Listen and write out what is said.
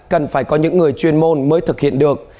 cần phải có những người chuyên môn mới thực hiện được